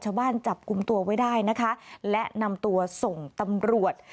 จับกลุ่มตัวไว้ได้นะคะและนำตัวส่งตำรวจ